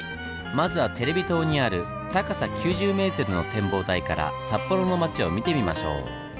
まずはテレビ塔にある高さ９０ｍの展望台から札幌の町を見てみましょう。